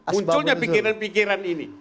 munculnya pikiran pikiran ini